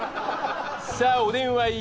さあお電話